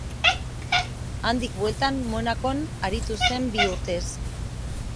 Handik bueltan Monakon aritu zen bi urtez.